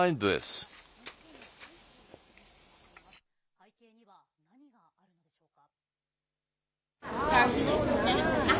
背景には何があるのでしょうか。